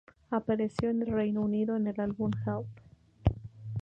Apareció en el Reino Unido en el álbum "Help!